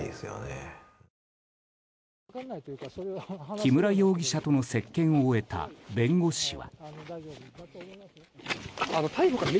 木村容疑者との接見を終えた弁護士は。